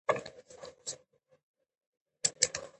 درناوی، مهرباني، انصاف او صداقت د ښو اخلاقو بنسټیز عناصر ګڼل کېږي.